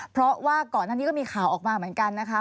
เพราะว่าก่อนหน้านี้ก็มีข่าวออกมาเหมือนกันนะคะ